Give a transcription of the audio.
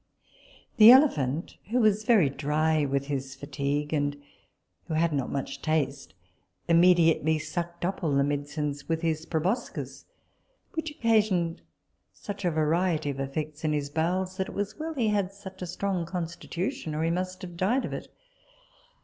The elephant, who was very dry with his fatigue, and who had not much taste, immediately sucked up all the medicines with his proboscis, which occasioned such a variety of effects in his bowels, that it was well he had such a strong constitution, or he must have died of it.